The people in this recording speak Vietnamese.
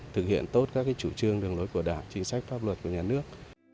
thực hiện tốt các chủ trương đường lối của đảng chính sách pháp luật của nhà nước